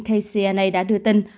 kcna đã đưa tin